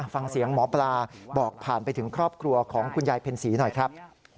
ฟังเสียงหมอปลาบอกผ่านไปถึงครอบครัวของคุณยายเพ็ญศรีหน่อยครับ